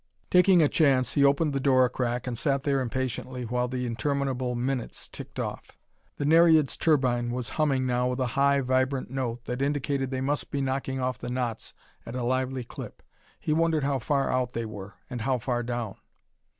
Taking a chance, he opened the door a crack and sat there impatiently, while the interminable minutes ticked off. The Nereid's turbine was humming now with a high, vibrant note that indicated they must be knocking off the knots at a lively clip. He wondered how far out they were, and how far down.